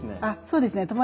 あっそうですね。